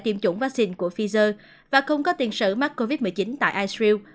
tiêm chủng vaccine của pfizer và không có tiền sử mắc covid một mươi chín tại id